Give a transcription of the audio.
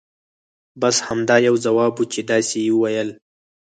بس همدا یو ځواب وو چې داسې یې ویل.